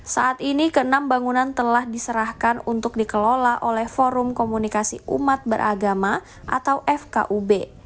saat ini keenam bangunan telah diserahkan untuk dikelola oleh forum komunikasi umat beragama atau fkub